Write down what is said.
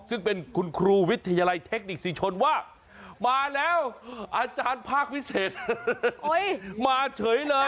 ซึ่งเป็นคุณครูวิทยาลัยเทคนิคศรีชนว่ามาแล้วอาจารย์ภาควิเศษมาเฉยเลย